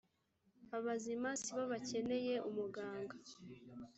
abazima si bo bakeneye umuganga